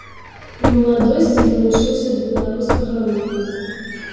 У маладосці далучыўся да беларускага руху.